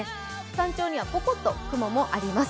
山頂にはぽこっと雲もあります。